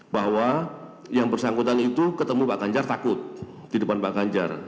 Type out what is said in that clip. bahwa yang bersangkutan itu ketemu pak ganjar takut di depan pak ganjar